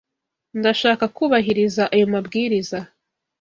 Ndashaka kubahiriza ayo mabwiriza.